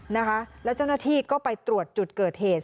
นะคะแล้วเจ้าหน้าที่ก็ไปตรวจจุดเกิดเหตุ